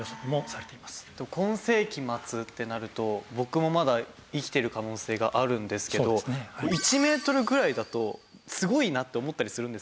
今世紀末ってなると僕もまだ生きてる可能性があるんですけど１メートルぐらいだとすごいなと思ったりするんですけど